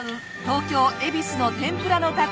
東京・恵比寿の天ぷらの匠が。